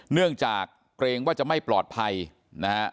เนื่องจากเกรงว่าจะไม่ปลอดภัยนะฮะ